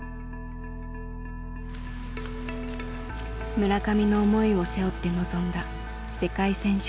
村上の思いを背負って臨んだ世界選手権。